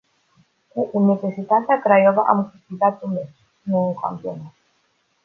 Cu Universitatea Craiova am câștigat un meci, nu un campionat.